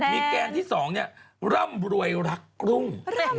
มีแกนที่๒ร่ำรวยรักกรุง